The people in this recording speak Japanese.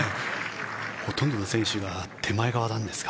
ほとんどの選手が手前側なんですが。